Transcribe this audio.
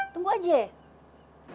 tunggu aja ya